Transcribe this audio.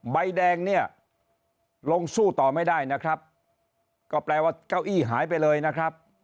ใบแดงเนี่ยลงสู้ต่อไม่ได้นะครับก็แปลว่าเก้าอี้หายไปเลยนะครับ